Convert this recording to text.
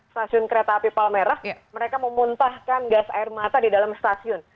stasiun kereta api palmerah mereka memuntahkan gas air mata di dalam stasiun